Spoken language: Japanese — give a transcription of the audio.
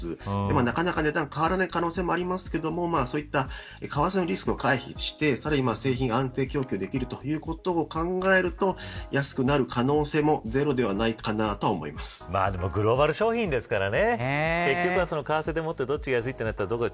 なかなか値段が変わらない可能性もありますがそういった為替のリスクを回避してさらに製品が安定供給できるということを考えると安くなる可能性もでもグローバル商品ですからね。